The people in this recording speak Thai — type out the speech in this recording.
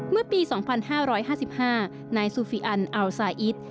เมื่อปี๒๕๕๕นายซูฟิอันอัลซาอิส